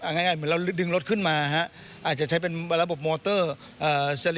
ง่ายเหมือนเราดึงรถขึ้นมาฮะอาจจะใช้เป็นระบบมอเตอร์เอ่อ